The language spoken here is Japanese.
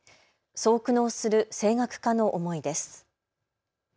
そう苦悩する声楽家の思いです。